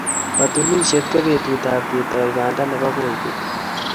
Katunisyet ko betutab ketoi banda nebo koikeny.